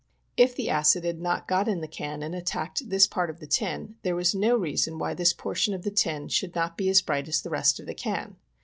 If the acid had not got in the can and attacked this part of the tin, there was no reason why this portion of the tin should not be as bright as the rest of the can.